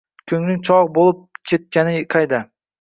koʻngling chogʻ boʻlib kelgani qayda